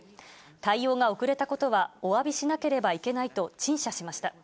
対応が遅れたことはおわびしなければいけないと陳謝しました。